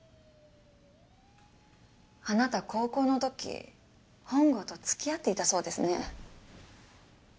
あなた高校の時本郷とつきあっていたそうですね。